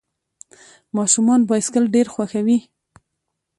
ماشومان بایسکل ډېر خوښوي.